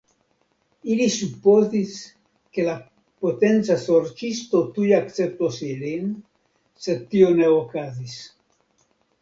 Ili supozis ke la Potenca Sorĉisto tuj akceptos ilin, sed tio ne okazis.